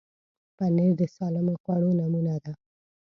پنېر د سالمو خوړو نمونه ده.